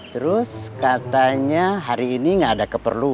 terus katanya hari ini nggak ada keperluan